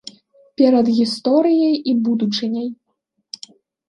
Перад гісторыяй і будучыняй.